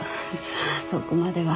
さあそこまでは。